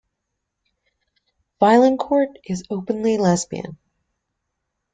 Vaillancourt is openly lesbian.